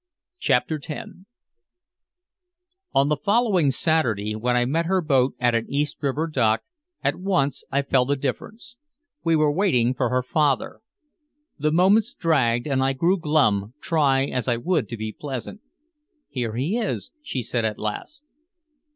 CHAPTER X On the following Saturday, when I met her boat at an East River dock, at once I felt a difference. We were waiting for her father. The moments dragged and I grew glum, try as I would to be pleasant. "Here he is," she said at last.